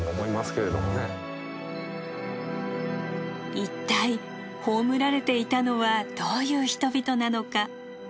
一体葬られていたのはどういう人々なのか？